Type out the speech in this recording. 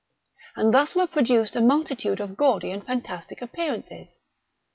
And thus were produced a multitude of gaudy and fantastic appearances.